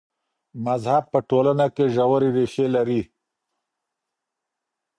مذهب په ټولنه کي ژورې ريښې لري.